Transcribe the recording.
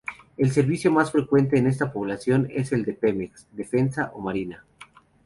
El servicio más frecuente en esta población es el de Pemex, Defensa o Marina.